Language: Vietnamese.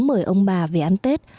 mời ông bà về ăn tết